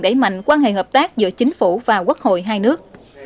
đẩy mạnh quan hệ hợp tác giữa chính phủ và quốc hội hai nước